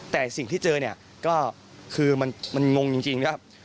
แต่สิ่งที่เจอเนี่ยก็คือมันงงจริงนะครับ